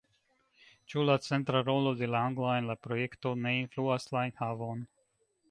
Ĉu la centra rolo de la angla en la projekto ne influas la enhavon?